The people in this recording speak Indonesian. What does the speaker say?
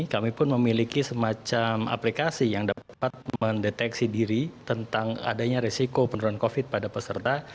kami pun memiliki semacam aplikasi yang dapat mendeteksi diri tentang adanya resiko penurunan covid pada peserta